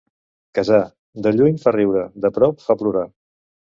Casar... de lluny fa riure; de prop, fa plorar.